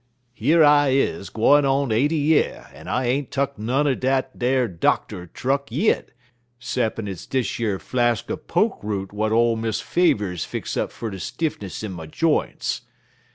Yer I is, gwine on eighty year, en I ain't tuck none er dat ar docter truck yit, ceppin' it's dish yer flas' er poke root w'at ole Miss Favers fix up fer de stiffness in my j'ints.